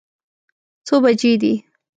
څو بجې دي؟